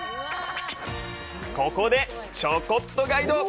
ここでちょこっとガイド！